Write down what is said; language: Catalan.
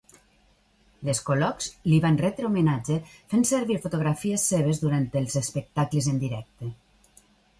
"Les Colocs" li van retre homenatge fent servir fotografies seves durant els espectacles en directe.